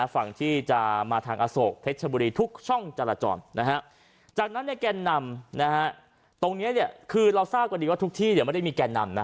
ฝั่งที่จะมาทางอโศกเพชรชบุรีทุกช่องจราจรจากนั้นแกนนำตรงนี้คือเราทราบกันดีว่าทุกที่ไม่ได้มีแก่นำนะ